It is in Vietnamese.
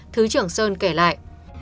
thứ trưởng sơn kể lại